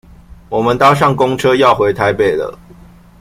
我們搭上公車要回台北了